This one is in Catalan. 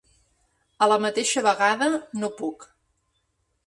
A la mateixa vegada no puc.